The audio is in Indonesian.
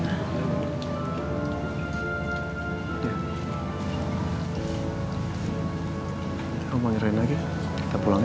kamu manjurin lagi kita pulang ya